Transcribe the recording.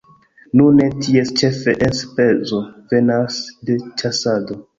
Nune ties ĉefe enspezo venas de ĉasado.